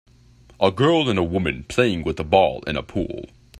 A girl and a woman playing with a ball in a pool.